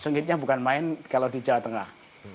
sengitnya bukan main kalau di jawa tengah